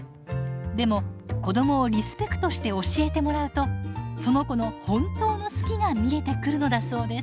でも子どもをリスペクトして教えてもらうとその子の本当の「好き」が見えてくるのだそうです。